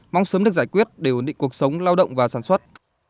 mong sớm được giải quyết để ổn định cuộc sống lao động và sản xuất